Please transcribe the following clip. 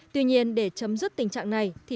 tuy nhiên để chấm dứt tình trạng này